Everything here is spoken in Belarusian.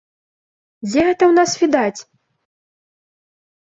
Дзе гэта ў нас відаць?